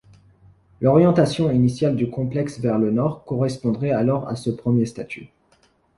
L'orientation initiale du complexe vers le nord correspondrait alors à ce premier statut.